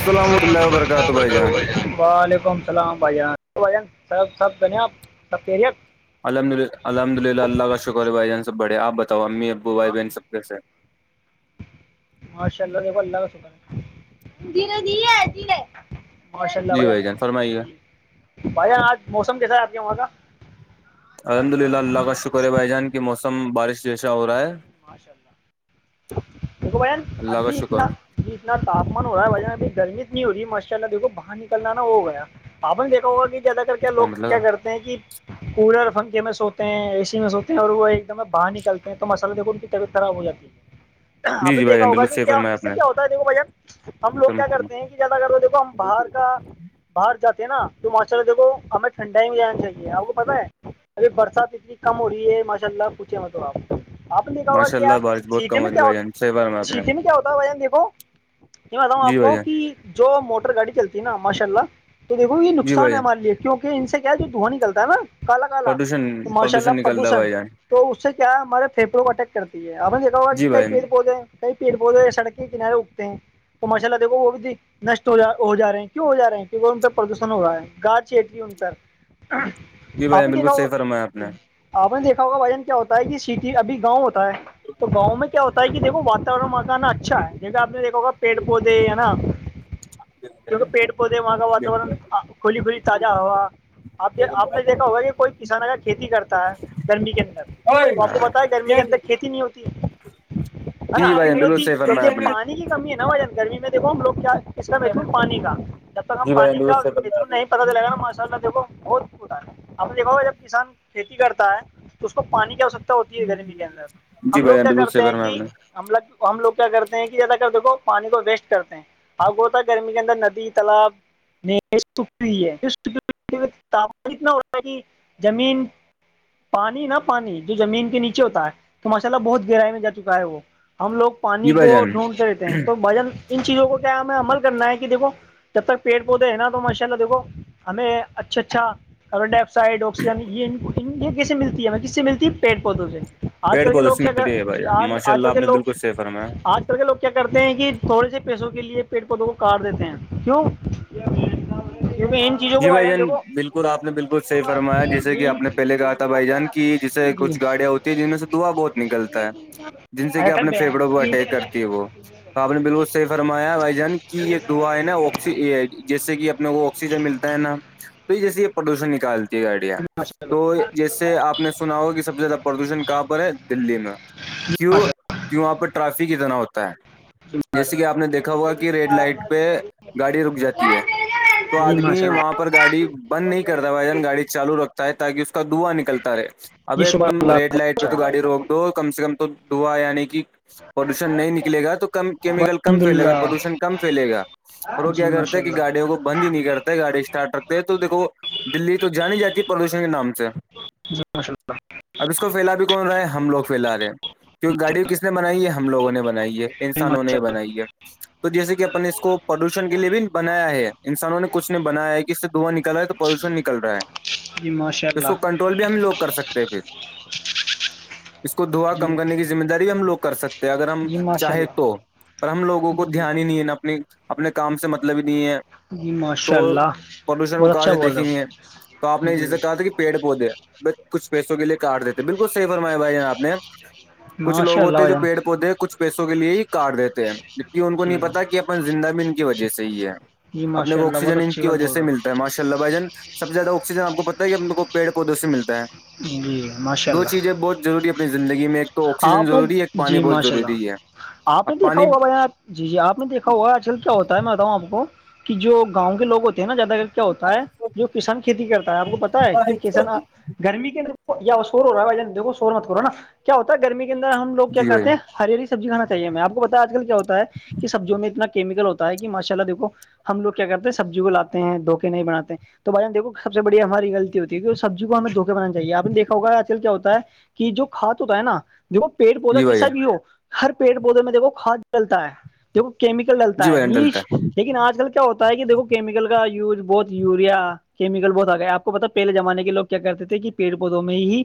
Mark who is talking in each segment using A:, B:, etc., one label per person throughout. A: السلحام اللہ وبرکاتہ بھائی جان
B: وعلیکم السلام بھائی جان بھائیان سب سب دن سیریت
A: الحمدلہ الحمد للہ اللہ کا شکر بائی جان سب بڑے آپ بتاؤ امی ابو بھائی
B: ما-
A: بہن سب کیسے
B: ماشاء اللہ دیک اللہےے ماشاء اللہ
A: جی جان فرمائیے
B: بھائی بھائی جان آج موسم کیسا ہے آپ کے وہاں کا
A: الحمد للہ اللہ کا شکر ہے بھائی جان کہ موسم بارش جیسا ہو رہا ہے
B: ماشاء اللہ د بن
A: اللہ کا
B: ابھی اتنا
A: شکر ہے
B: اتنا تاپمان ہو رہا ہے وجہ اب گرمیت نہیں ہو رہی ماشاء اللہ دیکھو باہر نکلنا نا ہو گیا آپن دیکھا ہوگا کہ زیادہ کر کیا
A: کچھ
B: لوگ
A: کام
B: کیا
A: لگا
B: کرتے ہیں کہ کولر پھنکے میں سوتے ہیں اے سی میں سوتے ہیں اور وہ ایک دم باہر نکلتے ہیں تو مس یک ان کی طبیعت خراب ہو جاتی ہے
A: جی
B: آپ نے
A: جی بھائی
B: دیکھا
A: جان
B: ہوگ
A: بالکل
B: کہ
A: صحیح
B: کیا
A: فرمایا
B: اس
A: آپ
B: سے کیا ہوتا ہے دیکھو بھ جان ہم لوگ
A: نے
B: کیا کرتے ہیں کہ زیادہ کرو دیکھو ہم باہر کا باہر جاتے ہیں نا تو ماشاء اللہ دیکھو ہمیں ٹھنڈائی میں جانا چاہیے آپ کو پتہ ہے ار برسات اتنی کم ہو رہی ہے ماشاء اللہ پوچھے میں تو آپ آپ نے دیکھا ہوگا
A: ماشاء اللہ
B: کہیار
A: بارش بہت
B: سیٹی
A: کم ہو
B: میں
A: رہی ہے
B: کیا
A: بھائی جان صحیح فرمایا آپ نے
B: سیٹی میں کیا ہوتا بھائیان دیکھو یہ بتاؤ
A: جی
B: آپ
A: بھائی
B: کو
A: جان
B: کہ جو موٹر گاڑی چلتی ہے نا ماشاء اللہ تو دیکو یہ
A: جی بھائی
B: نقصان ہے
A: جان
B: ہمارے لیے کیوںک ان سے کیا ہے جو دھواں نکلتا ہے نا کالا کالا
A: پردوشن
B: تو ماشاء اللہ
A: نکل رہا ہے
B: پردوشن
A: بھائی جان
B: تو اس سے کیا ہمارے پھیپٹوں کو اٹیک کرتی ہے اباری
A: جی
B: کئی
A: بھائی
B: پیڑ پودے کئی پیڑ پودے سڑک کے کنارے اگتے ہیں تو ماشاء اللہ دیکھو وہ بھی د نشٹ ہو ہو جا رہے ہیں کیوں ہو جا رہے ہیں کیکہ ان پردوشن ہو رہا ہے گاس چیٹ لی ہے ان پرر
A: جی بھائی
B: آپ
A: جان
B: نے
A: بالکل
B: دیکھا
A: صحیح فرمایا آپ نے
B: ہوگا آپ نے دیکھا ہوگا بھجن کیا ہوتا ہے کہ س کہ ابھی گاؤں ہوتا ہے تو گاؤں میں کیا ہوتا ہے کہ دیکو واتاورن مگانا اچھا ہے جہ آپ نے دیکھوگا پیڑ پودے ہے نا کیونکہ پیڑ پودے وہاں کا واتاورن کھلی کھلی تازا ہوا آپ آپ نے دیکھا ہوگا کہ کوئی کسان اگر کھیتی کرتا ہے گرمی کے اندر تو آپ کو ب کتی نہیں ہوتی
A: [inaudible]
B: ہے نا کیوں
A: جان
B: نہیں
A: بالکل
B: ہوتی
A: صحیح فرمایا
B: کیونکہ
A: آپ نے
B: پانی کی کمی ہے نا وہ گرمی میں دیکو ہم لوگ کیا اس کا مت پانی کا ہم
A: جی بھائی جان
B: پانی
A: بالکل
B: کا
A: صحیح فرمایا
B: متو
A: آپ
B: نہیں
A: نے
B: پتا چلے گا ماشاء اللہ دھو بت بتاا اب دیکاو جب کسان کھیتی کرتا ہے تو اس کو پانی کی آوشکتا ہوتی ہے گرمی کے اندر
A: جی
B: ہم
A: بھائی
B: لوگ
A: جان
B: کیا
A: بالکل صحیح
B: کرتے ہیں
A: فرمایا آپ
B: کہ
A: نے
B: [unintelligible] ہم لگ ہم لوگ کیا کرتے ہیں کہ زیادہ کر دیکو پانی کو ویسٹ کرتے ہیں ہاںگو تھا گرمی کے اندر ندی تالاب [unintelligible] س اتنا ہوتا ہے کہ زمین [unintelligible] پانی نہا پانی جو زمین [unintelligible] نیچے ہوتا ہے تو ماشاء اللہ بہت گہرائی میں جا چکا ہے وہ ہم لوگ [unintelligible]
A: جی
B: پانی
A: بھائی
B: کو
A: جان
B: ڈھونڈتے رہتے ہیں تو باجل [unintelligible] ان چیزوں کو کیا ہم ہے عمل کرنا ہے کہ دیکھو جب تک پیڑ پودے ہے نا تو ماشاء اللہ دیکھو ہمیں اچھا اچھا کب ڈائی آکسائڈ آکسیجن یہ یہ کیسے ملتی ہے ہمیں کس سے ملتی ہے پیڑ پودوں سے آج
A: پیڑ
B: کل کے
A: پودوں
B: لوگ
A: سے
B: کیا اگر
A: ملتی ہے بھائی
B: جی
A: جان ماشاء
B: آج
A: اللہ
B: کل
A: آپ
B: کے
A: نے بالکل
B: لوگ
A: صحیح فرمایا
B: آج کل کے لوگ کرتے ہیں کہ تھوڑے سے پیسوں کے لیے پیڑ پودوں کو کاٹ دیتے ہیں کیوں یہ
A: جی بھائی جان بالکل آپ نے بالکل صحی فرمایا جیسے
B: جی
A: کہ آپ نے پہلے کہا تھا بھائی جان کی جیسے
B: جی
A: کچھ گاڑیاں جن میں سے دعا بہت نکلتا ہے جن سے کہ
B: اٹک
A: اپنے
B: گیا
A: فیفڑوں کو اٹیک کرتی ہے وہ تو آپ نے بالکل صحی فرمایا بھائی جان کی یہ دعا ہے نا آکسی جیسے کہ اپنے کو آکسیجن ملتا ہے نا تو جیے یہ پردوشن نکالتا [unintelligible] گاڑیا
B: ماشاء
A: تو
B: اللہ
A: جیسے آپ نے سنا ہو کہ سب سے زیادہ پردوشن کہاں پر ہے دللی میں [unintelligible] کیوں وہاں پر ٹرافک اتنا ہوتا ہے جیسے کہ آپ نے دیکھا ہوا کہ ریڈ لائٹ پہ گاڑی رک جاتی ہے تو
B: ماشاء اللہ جی ماشاء
A: آدمی وہاں
B: اللہ
A: پر گاڑی بند نہیں کرتا بھائی
B: جی
A: جان گاڑی چالو رکھتا ہے تاکہ اس کا دواں نکلتا رہے [unintelligible]
B: ماشاء اللہ
A: اب
B: جی شکر
A: تم
B: اللہ
A: ریڈ
B: کا
A: لائٹ
B: اچھا
A: تو گاڑی روک دو کم سے کم تو دعا آنے کی پولوشن نہیں نکلے گا تو کم کیمیکل کم
B: الحمد
A: پھیل گا
B: للہ
A: پولوشن کم فھیلے گ اور وہ
B: جی
A: کیا کرتا
B: ماشاء
A: ہے کہ
B: اللہ
A: گاڑیوں کو بند ہی نہیں کرتا [unintelligible] گاڑی اسٹارٹ رکھتے ہیں تو دیکو دلی تو جانی جاتی ہے پردوشن کے نام سے [unintelligible]
B: جی ماشا اللہ
A: اب اس کو پھیلا بھی کون رہا ہے ہم لوگ فھیلا رہے ہیں کیہ گاڑی کس نے بنائی ہے ہم لوگوں نے بنائی ہے ہے
B: جی
A: انسانوں
B: ماشاء
A: نے
B: اللہ
A: بناائی ہے تو جیسے کہ اپ نے اس کو پردوشن کے لیے بھی بنایا ہے انسانوں نے [unintelligible] کچھ نے بنایا ہے کہ اس سے دھواں نکل رہ ہے تو پدوشن نکل رہا ہے
B: جی ماشاء
A: اس کو
B: اللہ
A: کنٹرول بھی ہم لوگ کر سکتے ہیں پھر اس کو دھوا
B: جی
A: کم کرنے کی مہ داری بھی ہم لوگ کر سکتے اگر ہم
B: جی ماشاء
A: چاہیں
B: اللہ
A: تو پر ہم لوگوں کو
B: جی
A: دھیان ہی نہیں ہے نا اپنی اپنے کام سے مطلب ہی نہیں ہے
B: جی موش [unintelligible]
A: تو پدوشن وہ کہاں سے دیکھیں گے تو آپ نے جسے
B: جی
A: کہا تھا کہ پیڑ پودے ب کچھ پیسوں کے لیے کاارڈ دیتے بالکل صحی فرمایا بھائی جان آپ نے کچھ لوگ
B: ماشاء
A: ہوتے ہیں جو
B: اللہ بھائی
A: پڑ پودے کچھ پیسوں کے لیے ہی کاارڈ دیتے ہیں جبکہ ان کو
B: جان
A: نہیں
B: جی
A: پتا کہب ن زندہ ب ان کی وجہ سے ہی ہے
B: جی
A: اپنے
B: ماشاء
A: کو
B: اللہ بہت
A: آکسیجن ان
B: اچھی
A: کی
B: بات
A: وہ
B: بول
A: سے
B: رہے
A: ملتا ہے ماشا اللہ بھائی ج سب زیادہ آکسیجن آپ کو پتا ہے ہم ل کو پڑ کوودوں سے ملتا ہے
B: ہو جی ماشاء
A: [unintelligible] دو چیزیں
B: اللہ
A: بہت ضروری اپنی زندگی میں ایک تو آکسیجن
B: آپ نے
A: ضروری ہے ایک پانی
B: جی
A: بہت
B: ماشاء اللہ
A: ضروری ہے
B: آپ نے
A: اب
B: دیکھا
A: پانی
B: ہوگا بھائی یہاں جی جی آپ نے دیکھا ہوا آج کل کیا ہوتا ہے میں بتاؤں آپ کو کہ جو گاؤں کے لگ ہوتے ہیں نا زیادہ کیا ہوتا ہے جو کسان کھیتی کرتا ہے آپ کو پتا ہے کہ کسان گرمی کے اندر یا سور ہو رہا ہےھ دھو سور مت ہو رہا نا کیا ہوتا گرمی کے اندر ہم لو کیا
A: جی بھیا
B: کہتے ہیں ہریالی سبزی کھان چاہے میں آپ کو پتا آج کل کیا ہوتا ہے سبزی میں اتنا کیمیکل ہوتا ہے کہ ماشاء اللہ دیکو ہم لوگ کیا کرتے ہیں سبزی کو لاتے ہیں دھوکے نہیں بناتے ہیں تو بھائیان دیکو سب سے بڑی ہماری غطی ہوتی ہے سبزی کو ہمیں دھوے بنا چاہیےپ نے دیکا ہوگاچل کیا ہوتا ہے [unintelligible] کہ جو کھاد ہوتا ہے نا دیکھو پیڑ پودے
A: جی بھیا
B: کیسا بھی ہو ہر پیڑ پودے میں دیکھو کھاد چلتا ہے کیمیکل
A: جی
B: ڈلتا ہے
A: بھائی جان
B: ہیچ
A: ڈلتا ہے
B: لیکن آج کل کے کیا ہوتا ہے کہ دیکھو کیمیکل کا یوز بہت یوریا کیمکل بہت آ گئے آپ کو پتا پہل زمانے کے لوگ کیا کرتے تھے کہ پیڑ پودوں میں ہی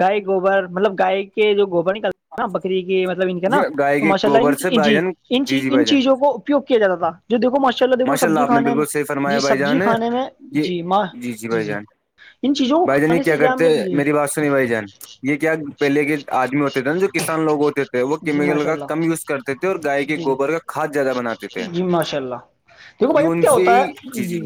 B: گائے گوبر مطلب گائے کے جو گوبر نکل بکری کی مطلب ان کے نا
A: جی گائے
B: تو
A: کے
B: ماشاء
A: گوبر سے
B: اللہ
A: بھائی
B: جیی
A: جان جی جی
B: ان
A: بھائی جان
B: چیزوں کو پوک کیا چل تھا [unintelligible] جوی دیکھو ماشاء اللہ دیکھو سبزی
A: آپ نے
B: کھانے میں
A: بالکل صحیح
B: جی
A: فرمایا بھائی
B: سبزی
A: جان
B: کھانے میں
A: یہ
B: جی ماں جی جی [unintelligible] ان چیزوں کو
A: بھائی جان یہ
B: کھانے سے
A: کیا
B: یام
A: کرتے
B: میں خری ہے
A: میری بات سنی بھائی جان یہ کیا پہلے کے آدمی ہوتے تھے نا جو کسان لوگ ہوتے تھے وہ
B: جی
A: کیمیکل
B: ماشاء
A: کا کم
B: اللہ
A: یوز کرتے تھے اور گائے کے
B: جی
A: گوبر کا کھاد زیادہ بناتے تھے
B: جی ماشاء اللہ دیکھو
A: یہ
B: بھائی
A: ان
B: کیا
A: سے
B: ہوتا
A: ہی
B: ہے جی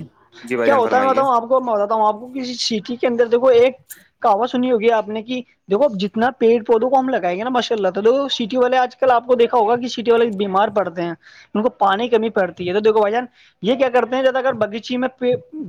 A: جی بھائی
B: کیا
A: جان
B: ہوتا ہے
A: فرمائیے
B: بتاؤں آپ میں بتاتا ہوں آپ کو کسی سٹی کے اندر دیکو ایک کہو سنی ہوگی آپ نے کہ دیکو جتنا پیڑ پودوں کم لگائے گ نا ماشاء اللہ تو سٹی والے آج کل آپ کو دیکا ہوگا کہ سٹی والے بیمار پڑتے ہیں ان کو پانی کمی پڑتی ہے تو دیکھو بھ جان [unintelligible] یہ کیا کرتے ہیں جا اگر بغیچے میں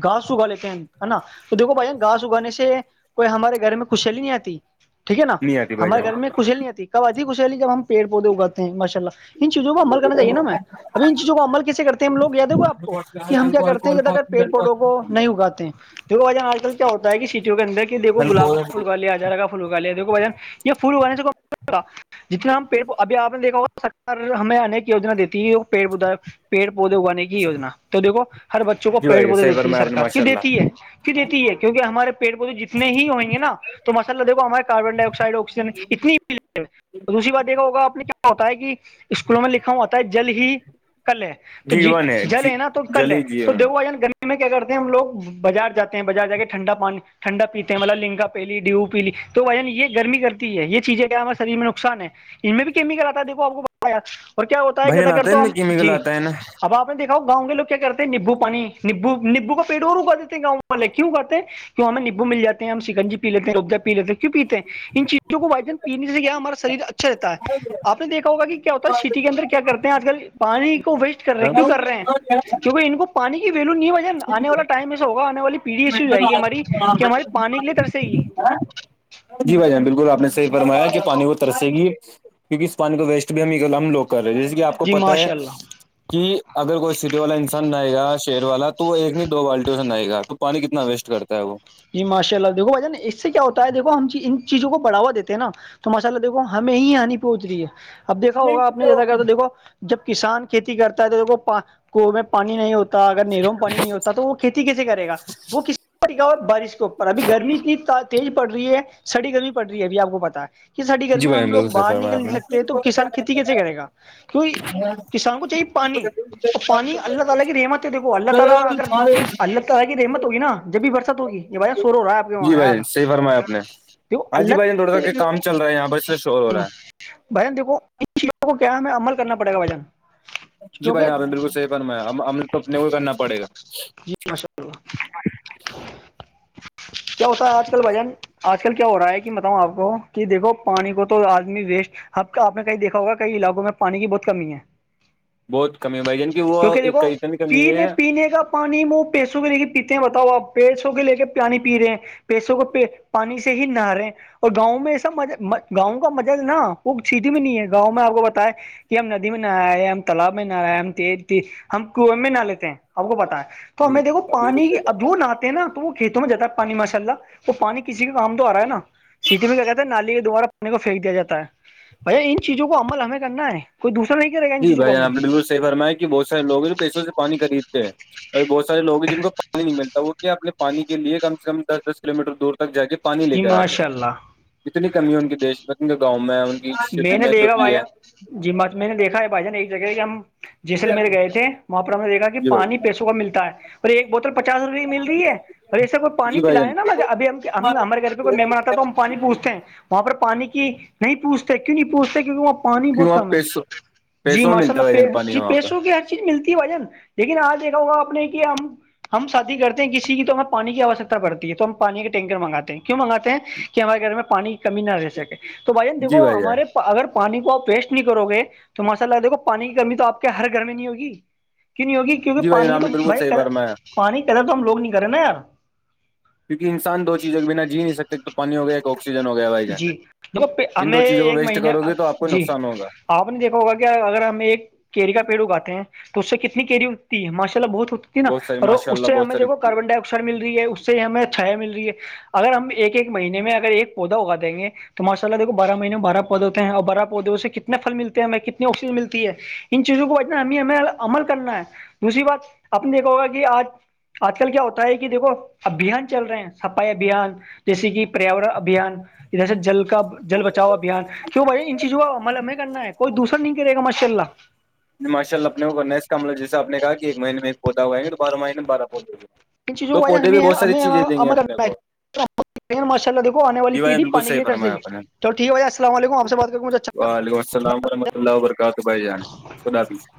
B: گھاس اگا لیتے ہیں نا تو دیکھو بھائی جان گاس اگانے سے کوئی ہمارے گھر میں خوشلی نہیں آتی ٹھیک ہے نا
A: نہیں آتی بھائی جان
B: ہمارےھر میں ک خشھلییا آتی کبدھی خشیلی جب ہم پڑ پودے اگاتے ہیں ماشاء اللہ ان چیزوں کومل کرنا چاہی نا میں اھی ان چیز کو عمل کیس کرتے ہیں ہم لو یاد د گا آپ کو کہ ہم کیا کرتے ہیں زیاداگر پیڑ پودوں کو نہیں اگاتے دیکو وجن آج کل کیا ہوتا ہے سیٹی کے انر کہ دیکو گلاب کاھ گایاجارا کا پھ گایا دیکو وجن [unintelligible] یہ فھول بنے سے جتنا ہم پڑ ابھی آپ نے دیکھا ہو سرار ہمیں انیک یجنا دیتی ہے وہ پیڑ پود پیڑ پودے اگانے کی وجنا تو دیکھو ہر بچوں کو
A: جی
B: پیڑ
A: بھائی جان
B: پودے
A: صحیح
B: دیتی ہے
A: فرمایا آپ نے
B: سرک کی
A: ماشاء اللہ
B: دیتی ہے دیتی ہے کیونکہ ہمارے پٹ پودے جتنے ہی ہوں گے نا تو مسءلہ دیکھو ہمارے کاربن ڈائی آکسی [unintelligible] آسیجن اتنی م دوسری بات یہا ہوگاپنے کیا [unintelligible] ہوتا ہے کہ اسکولوں میں لکھا ہو ہوتا ہے جلد ہی ک ہے [unintelligible] تو جی
A: جیون ہے جی
B: جلے نا تو کل لے
A: جلی
B: تو
A: جیون
B: دوا جا گنے [unintelligible] میں کیا کرتے ہیں ہم لوگ بازار جاتے ہیں بازار جا کے ٹھنڈا پانی ٹھنڈا پیتے ہیں مطب لنا پیلی ڈیو پی لی تو ون یہ گرمی کرتی ہے یہ چیزیں کیا ہمارے شریر میں نقصان ہے ان میں بھی کیمیکل آتا ہے دیکو آپ کو بتا اور کیا ہوتا ہے
A: بھائی
B: جدا
A: جان
B: کر
A: آتا
B: تو
A: میں
B: ہم
A: کیمیکل
B: جی
A: آتا ہے نا
B: اب آ نے دیکھاؤ گاؤں لو کیا کرتے ہیں نیبو پانی نبو نبو پیڑ اور اگا دی ہیں گاؤں والے کیوں ا گات ہیں [unintelligible] کیوں ہم نبو م جاتے ہم سنجی لیتے ہیں روجا پی لیتے کیوں پیتے [unintelligible] ان چیزوں کو وائن پینے سے کیا ہمارا شریر اچھا رہتا ہے [unintelligible] آپ نے دیکھا ہوگا کہ کیا ہوتا ہے سٹی کے اندر کیا کرتے ہیں آج کل پانی کو ویسٹ کر رہے ہیں کیوں کر رہے ہیں کیونکہ ان کو پانی کی ویلو نہیں بجان آنے والا ٹائم میں سے ہوا آنے والی [unintelligible] پیڑی ایش ہو جائے گی ہماری کہ ہماری پانی کے لیے ترسے گی
A: جی بھائی جان بالکل آپ نے برمایا کہ پانی وہ ترسے گی کیونکہ اس پانی کو ویسٹ بھی ہم ہم لو کر رہے ہیں جیسے کہ آپ آپ کو
B: جی
A: پتا ہے
B: ماشاء اللہ
A: کہ اگر کوئی سٹی والا انسان نہئے گا شہر والا تو وہ ایک نہیں دو بالٹیوں سے ن نہئے گا تو پانی کتنا ویسٹ کرتا ہے وہ
B: جی ماشاء اللہ دھو بھ جا اس سے کیا ہوتا ہےیکھ ہم ان چیزوں کو بڑاو دیتے نا تو ماشاء اللہ دیکھو ہمیں ہی ہانی پہنچ رہی ہے اب دیکھا ہوگا آپ نے زیادہ کر دیکھو جب کسان کھیتی کرتا ہے تو دیک میں پانی نہیں ہوتا اگر نیروم پانی نہیں ہوتا تو وہ کھیتی کیسے کرےا وہ کس طریق کا بارش ابھی گرمی اتنی تیز پڑ رہی ہے سڑی گرمی پڑ رہی ہے ابھی آ کو پتا ہے ساریی
A: جی
B: گرمی
A: بھائی جان
B: ہم لوگ
A: بالکل صحیح
B: باہر
A: فرمایا
B: نکل
A: آپ
B: نہیں
A: نے
B: سکتے ہیں تو کسان کھیتی کیسے کرے گا کی کسانوں کو چاہیے پانی تو پانی اللہ تعالی کی رحمت ہے دیکھو اللہ تعالی اگر اللہ تعالی کی رحمت ہوگیا جب بھی برس ہوگی یہ بھائی سور ہو رہا ہے آپ کے
A: جی
B: وہاں
A: بھائی
B: یار
A: جان صحیح فرمایا آپ نے
B: دیکھو
A: ہاں
B: اللہ
A: جی بھائی تھوڑاک کے کام چل رہا ہیں یہاں بس سے شور رہا ہے
B: بھجن دیکھو ان چیزوں کو کیا ہمیں عمل کرنا پڑے گا بھجن
A: جی بھائی ج آپ نے بالکل صح فنمایا ہم نے تو اپنے کو کرنا پڑے گا
B: ماشاءاللہ کیا ہوتا ہے آج کل بھجن آج کل کیا ہو رہا ہے کہ بتاؤں آپ کو کہ دیکھو پانی کو تو آدمی ویسٹ اب آپ نے کہیں دھا ہوگا کئی علاقوں میں پانی کی بہت کمی ہے
A: بہت کمی ہے بھائی جان کی وہ
B: کیونکہ دیکھو
A: اتنی کمی
B: پینے
A: ہے
B: پینے کا پانی م پیسوں کے لے کے پیتے ہیں بتاؤ آپ پیسوں کے لے کے پیانی پی رہے ہیں پیسوں کو پانی سے ہی نہارے اور گاؤں میں ایسا م گاؤں کا مجہ نا وہ چھیٹی بھی نہیں ہے گاؤں میں آپ کو بتائے کہ ہم ندی میں نہ آئے ہم تالاب میں نہ آ ہم تیز ت ہم کنیں میں نہ لیتے ہیں آپ کو پت ہے تو ہمیں
A: جی
B: دیکھو
A: بالکل
B: پانی
A: صحیح
B: اد
A: فرمایا
B: وہ نہتے ہیں نا تو وہ کھیتوں میں جاتا پانی ماشاء اللہ وہ پانی کسی کا کام تو آ رہا ہے نا سیٹی میں کیا کہتے ہیں نالی کے دوبارہ پانی کو پھینک دیا جاتا ہے بھیا ان چیزوں کو عمل ہمیں کرنا ہے کوئی دوسرا نہیں کیا رے گن چکم
A: بھرمائے کہ بہت سارےو ہیں جو پیسوں سے پانی خریدتے ہیں اور بہت سارے لگ ہیں جن کو پانی نہیں ملتا وہ کیا اپنے پانی کے لیے کم سے کم دس دس کلو میٹر دور تک جا کے پانی لے
B: جی
A: کر آتے ہیں
B: ماشاء اللہ
A: جتنی کمی ہے ان کے دیش میں ان کے گاؤں میں ان کی سٹی
B: نے
A: میں جو
B: دیکھا
A: بھی
B: بھائی
A: ہے
B: جی مچ میں نے دیکھا ہے بھائی ج نے ایک جگہ کہ ہم جیسلمیر گئے تھے وہاں پر ہم نے دیکھا کہ
A: جی بھائی
B: پانی پیسوں کا ملتا ہے اور ایک بوتل پچاس روپئے کی مل رہی ہے ابھی ایسا کوئی پانی
A: جی بھائی
B: پلیا
A: جان
B: ہے نا مگر اب ہمارے گھر پ کوئی مہمان آتا تو ہم پانی پوچھتے ہیں وہاں پر پانی کی نہیں پوچھتے کیوں نہیں پوچھتے کیونکہ وہاں پانی
A: کیوں
B: بہت
A: آپ
B: کم ہے
A: پیسوں
B: جی
A: پیسوں میں
B: ماشاء
A: ملتا ہے
B: اللہ
A: بھائی جان
B: پ
A: پانی
B: جی
A: وہاں پہ
B: پیسو کے ہے چیز ملتی ہے وجن لیکن آج دیکھا ہوگا آپ نے کہ ہم ہم شادی کرتے ہیں کسی کی تو ہمیں پانی کی آوشکتا پڑتی ہے تو ہم پانی کے ٹینکر منگاتے ہیں کیوں منگاتے ہیں ہمارے گھر میں پانی کی کمی نہ رہ سکے تو بھائی جان
A: جی
B: دیکو
A: بھائی جان
B: ہمارے اگر پانی کو آپ ویسٹ نہیں کرو گے تو ماساء اللہ دیکھو پانی کی کمی تو آ کے ہر گھر میں نہیں ہوگی کی نہیں ہوگی کیونکہ
A: جی بھائی جان
B: پانی کی
A: آپ
B: تو
A: نے بالکل
B: بھائی
A: صحیح فرمایا
B: پانی کی قدر تو ہم لوگ نہیں کرے نا یار
A: کیکہ انسان دو چیز ا بنا جی نہیں سکتے تو پانی ہو گیا آکسیجن ہو گیا بھائی جان
B: جی دیکھو
A: ان
B: ہمیں
A: دو چیزوں کو
B: ایک
A: ویسٹ
B: مہینے
A: کرو گی تو آپ کو
B: جی
A: نقصان ہوگا
B: آپ نے دیکھا ہوگا کہ اگر ہمیں ایک کیری کا پیڑ اگاتے ہیں تو اس سے کتنی کیری اگتی ہے ماشاء اللہ بہت ا نا
A: بہت ساری
B: اور
A: ماشاء
B: اس
A: اللہ
B: سے
A: بہت
B: ہمیں
A: ساری
B: دیکھو
A: چیزیں۔
B: کاربن ڈائیکس ر مل رہی ہے اس سے ہمیں چھایا مل رہی ہے اگر ہم ایک ایک مہینے میں اگر ایک پودا اگا دیں گے تو ماشاء اللہ دیکو بارہ مہینے میں بارہ پودے ہوتے ہیں اور بارہ پودوں سے کتنے پل ملتے ہیں ہمیںتنی آکسیجن ملتی ہے ان چیزوں کو بچنا ہمیںیں عمل کرنا ہے دوسری بات اپ نے دیکھا ہوگا کہ آج آج کل کیا ہوتا ہے کہ دیکھو ابھیان چل رہے ہیں صفائی ابھیان جیسے کہ پریاورن ابھیان ادھر سے جل کا جل بچاؤ ابھیان کیوں بھیا ان چیز ہمل ہمیں کرنا ہے کوئی دوسر نہیں کرے گا ماشاء اللہ
A: ماشاءلہ اپنے کونا اس کا مل جس آ نے کہ ایک مہینے میں پھود ہوگائیںے تو بارہ مہینے بارہ پودے ہوگئے
B: ان چیزوں
A: تو
B: کو
A: پودے بھی
B: ہمیں
A: بہت ساری
B: ہمیں
A: چیزیں دیں گے
B: عمل
A: اپنے
B: کرنا
A: کو
B: ماشاء اللہ دھو آنے
A: جی بھائی
B: والیھی
A: بالکل
B: پانی
A: صحیح
B: لیے چلے
A: فرمایا
B: گی
A: آپ نے
B: چو ٹھیک بھائی السلام علیکم آ سے بات کروں مجھے اچھا
A: وعلیکم السلام ورحمۃ اللہ و برکاتہ بھائی جان خدا بھی